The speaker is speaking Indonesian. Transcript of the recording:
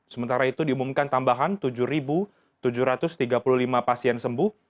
sementara itu diumumkan tambahan tujuh tujuh ratus tiga puluh lima pasien sembuh